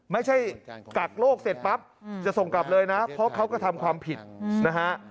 กักโลกเสร็จปั๊บจะส่งกลับเลยนะเพราะเขาก็ทำความผิดนะฮะ